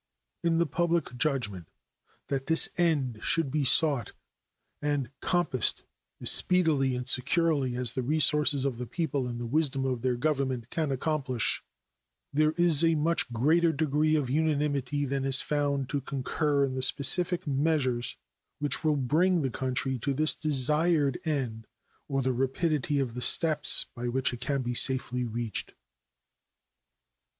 In the public judgment that this end should be sought and compassed as speedily and securely as the resources of the people and the wisdom of their Government can accomplish, there is a much greater degree of unanimity than is found to concur in the specific measures which will bring the country to this desired end or the rapidity of the steps by which it can be safely reached.